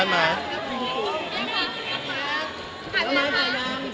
ข้ามาเล่าประโยชน์